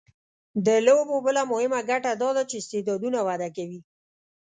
د لوبو بله مهمه ګټه دا ده چې استعدادونه وده کوي.